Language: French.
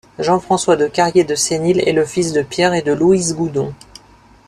Jean-François de Cariés de Senilhes est le fils de Pierre et de Louise Goudon.